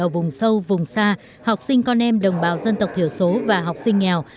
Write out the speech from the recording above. ở vùng sâu vùng xa học sinh con em đồng bào dân tộc thiểu số và học sinh nghèo